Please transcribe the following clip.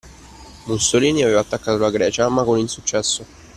Mussolini aveva attaccato la Grecia ma con insuccesso.